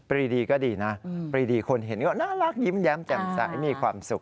รีดีก็ดีนะปรีดีคนเห็นก็น่ารักยิ้มแย้มแจ่มใสมีความสุข